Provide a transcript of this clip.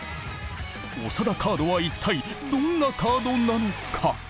長田カードは一体どんなカードなのか。